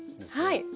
はい。